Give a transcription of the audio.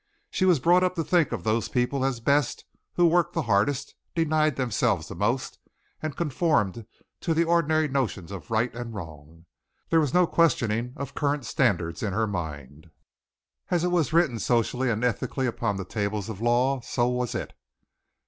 She was brought up to think of those people as best who worked the hardest, denied themselves the most, and conformed to the ordinary notions of right and wrong. There was no questioning of current standards in her mind. As it was written socially and ethically upon the tables of the law, so was it.